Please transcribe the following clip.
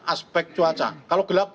aspek cuaca kalau gelap